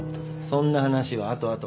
そんな話は後後。